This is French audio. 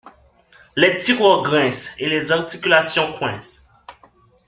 Les tiroirs grincent et les articulations coincent.